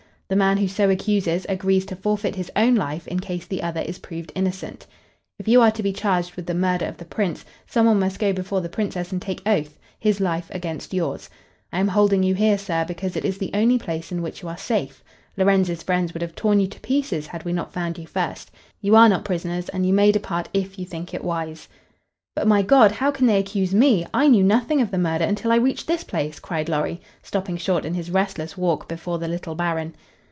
The man who so accuses agrees to forfeit his own life in case the other is proved innocent. If you are to be charged with the murder of the Prince, some one must go before the Princess and take oath his life against yours. I am holding you here, sir, because it is the only place in which you are safe. Lorenz's friends would have torn you to pieces had we not found you first. You are not prisoners, and you may depart if you think it wise." "But, my God, how can they accuse me? I knew nothing of the murder until I reached this place," cried Lorry, stopping short in his restless walk before the little Baron.